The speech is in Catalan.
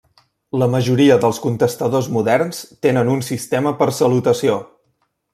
La majoria dels contestadors moderns tenen un sistema per salutació.